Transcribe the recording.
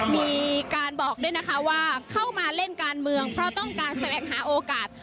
มีการบอกด้วยนะคะว่าเข้ามาเล่นการเมืองเพราะต้องการแสวงหาโอกาส